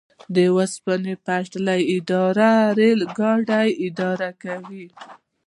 د اوسپنې پټلۍ اداره ریل ګاډي اداره کوي